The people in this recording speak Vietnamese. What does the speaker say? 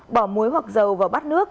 bỏ muối hoặc dầu vào bát nước